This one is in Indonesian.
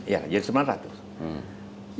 ya jadi sembilan ratus